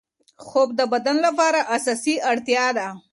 خوب د بدن لپاره اساسي اړتیا ده.